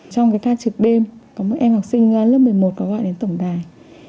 trong cái ca trực đêm có một em học sinh lớp một mươi một có gọi đến tổng đài